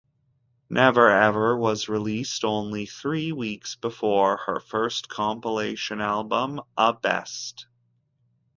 "Never Ever" was released only three weeks before her first compilation album, "A Best".